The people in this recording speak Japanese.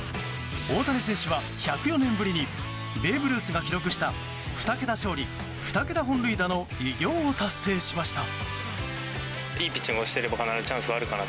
大谷選手は１０４年ぶりにベーブ・ルースが記録した２桁勝利２桁本塁打の偉業を達成しました。